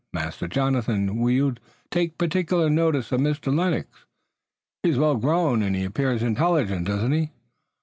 Master Jonathan, you will take particular notice of Mr. Lennox. He is well grown and he appears intelligent, does he not?"